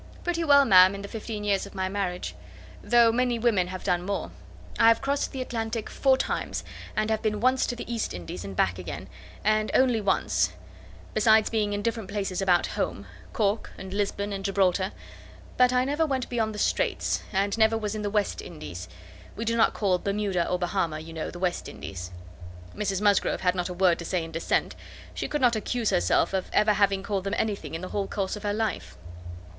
"Pretty well, ma'am in the fifteen years of my marriage; though many women have done more. I have crossed the Atlantic four times, and have been once to the East Indies, and back again, and only once; besides being in different places about home: Cork, and Lisbon, and Gibraltar. But I never went beyond the Streights, and never was in the West Indies. We do not call Bermuda or Bahama, you know, the West Indies." Mrs Musgrove had not a word to say in dissent; she could not accuse herself of having ever called them anything in the whole course of her life.